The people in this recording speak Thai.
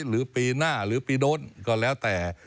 หรือปีหน้าหรือปีโน้นก็แล้วแต่